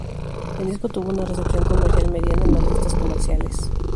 El disco tuvo una recepción comercial mediana en las listas comerciales.